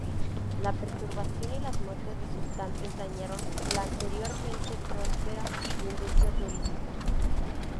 La perturbación y las muertes resultantes dañaron la anteriormente próspera industria turística.